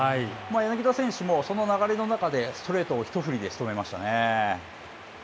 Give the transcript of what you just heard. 柳田選手もその流れの中で、ストレートを一振りでしとめましたね。